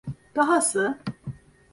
Dahası…